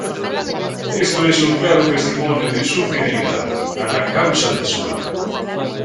Esto es un claro testimonio de su fidelidad a la causa del sur.